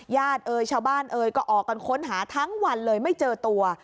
เอ่ยชาวบ้านเอ่ยก็ออกกันค้นหาทั้งวันเลยไม่เจอตัว